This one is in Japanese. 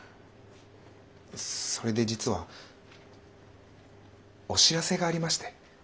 それで実はお知らせがありまして。